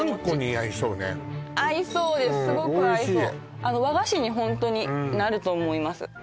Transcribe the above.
おいしい和菓子にホントになると思います